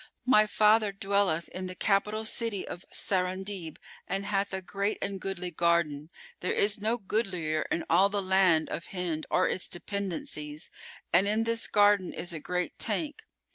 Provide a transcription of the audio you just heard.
My father dwelleth in the Capital city of Sarandíb and hath a great and goodly garden, there is no goodlier in all the land of Hind or its dependencies; and in this garden is a great tank.